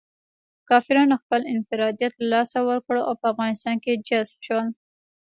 کافرانو خپل انفرادیت له لاسه ورکړ او په افغانستان کې جذب شول.